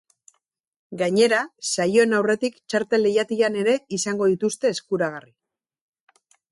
Gainera, saioen aurretik txartel-lehiatilan ere izango dituzte eskuragarri.